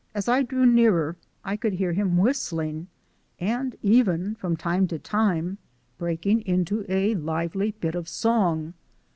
As I drew nearer I could hear him whistling and even, from time to time, breaking into a lively bit of song.